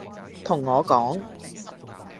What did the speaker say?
同我講